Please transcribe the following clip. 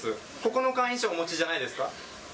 ここの会員証はお持ちじゃないですか？